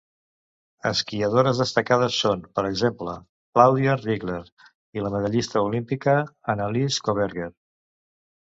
Esquiadores destacades són, per exemple, Claudia Riegler i la medallista olímpica Annelise Coberger.